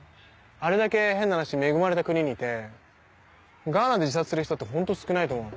あれだけ変な話恵まれた国にいてガーナで自殺する人ってホント少ないと思う。